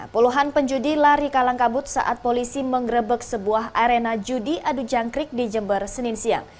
puluhan penjudi lari kalang kabut saat polisi mengerebek sebuah arena judi adu jangkrik di jember senin siang